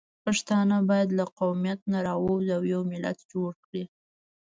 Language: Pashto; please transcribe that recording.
پښتانه باید له قومیت نه راووځي او یو ملت جوړ کړي